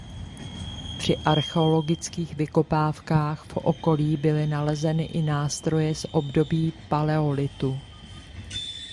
Při archeologických vykopávkách v okolí byly nalezeny i nástroje z období paleolitu.